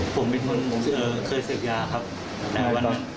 ผมเป็นคนเคยเสพยาครับวันนั้น